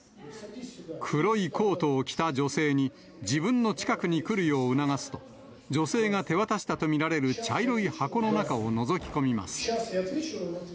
黒いコートを着た女性に、自分の近くに来るよう促すと、女性が手渡したとみられる茶色い箱の中をのぞき込みます。